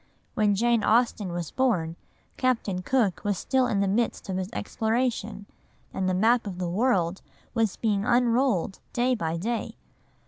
When Jane Austen was born, Captain Cook was still in the midst of his exploration, and the map of the world was being unrolled day by day.